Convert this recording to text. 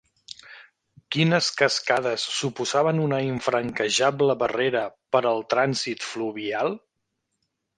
Quines cascades suposaven una infranquejable barrera per al trànsit fluvial?